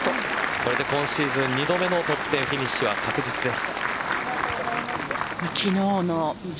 これで今シーズン２度目のトップ１０フィニッシュは確実です。